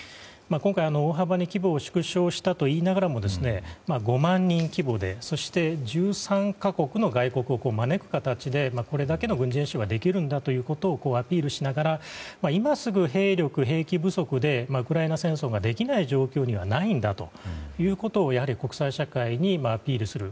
今回、大幅に規模を縮小したと言いながらも５万人規模でそして１３か国の外国を招く形で、これだけの軍事演習ができるんだということをアピールしながら今すぐ兵力・兵器不足でウクライナ戦争ができない状態にはないんだということをやはり国際社会にアピールする。